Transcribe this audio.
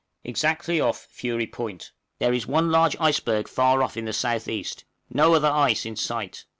Exactly off Fury Point. There is one large iceberg far off in the S.E.; no other ice in sight!